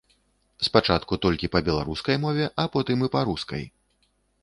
Спачатку толькі па беларускай мове, а потым і па рускай.